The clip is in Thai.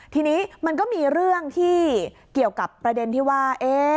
ทีนี้มันก็มีเรื่องที่เกี่ยวกับประเด็นที่ว่า